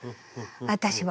私は。